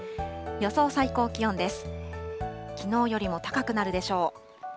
予想最高気温です。